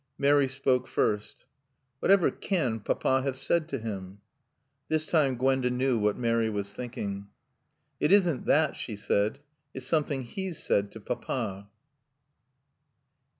Mary spoke first. "Whatever can Papa have said to him?" This time Gwenda knew what Mary was thinking. "It isn't that," she said. "It's something he's said to Papa."